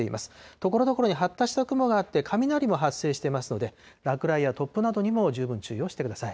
ところどころに発達した雲があって、雷も発生していますので、落雷や突風などにも十分注意をしてください。